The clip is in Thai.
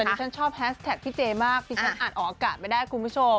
ดิฉันชอบแฮสแท็กพี่เจมากที่ฉันอ่านออกอากาศไม่ได้คุณผู้ชม